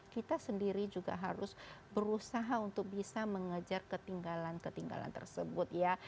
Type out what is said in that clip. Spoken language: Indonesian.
kita sendiri juga harus berusaha untuk bisa mengejar ketinggalan ketinggalan tersebut ya